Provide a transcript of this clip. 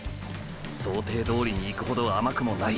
想定どおりにいくほど甘くもない。